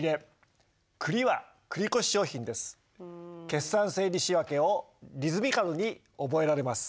決算整理仕訳をリズミカルに覚えられます。